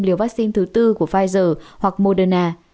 liều vaccine thứ tư của pfizer hoặc moderna